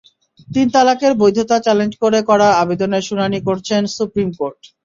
তিন তালাকের বৈধতা চ্যালেঞ্জ করে করা আবেদনের শুনানি করছেন সুপ্রিম কোর্ট।